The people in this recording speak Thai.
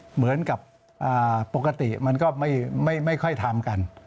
เหมือนกับปกติมันก็ไม่ค่อยทำกัน